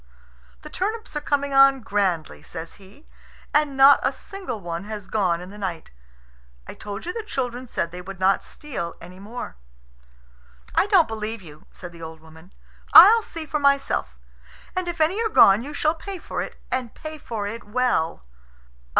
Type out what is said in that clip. "The turnips are coming on grandly," says he, "and not a single one has gone in the night. I told you the children said they would not steal any more." "I don't believe you," said the old woman. "I'll see for myself. And if any are gone, you shall pay for it, and pay for it well."